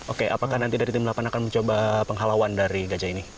oke apakah nanti dari tim delapan akan mencoba penghalauan dari gajah ini